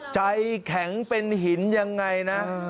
ใจแข็งเป็นหินยังไงนะ